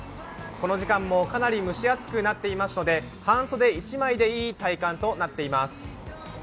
この時間もかなり蒸し暑くなっていますので半袖１枚でいい体感となっています